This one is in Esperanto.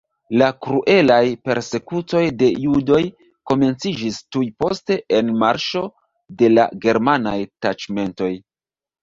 La kruelaj persekutoj de judoj komenciĝis tuj post enmarŝo de la germanaj taĉmentoj.